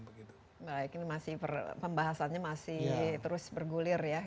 pembahasannya masih terus bergulir ya